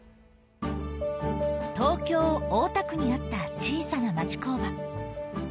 東京・大田区にあった小さな町工場。